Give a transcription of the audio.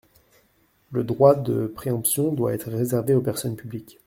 Le droit de préemption doit être réservé aux personnes publiques.